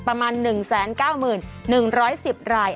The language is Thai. ประมาณ๑๙๑๑๐ราย